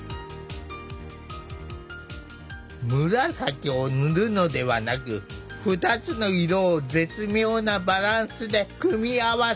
紫を塗るのではなく２つの色を絶妙なバランスで組み合わせ